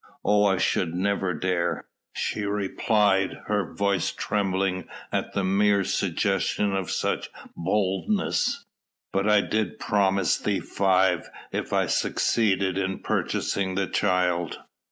"Oh I should never dare," she replied, her voice trembling at the mere suggestion of such boldness, "but I did promise thee five aurei if I succeeded in purchasing the child."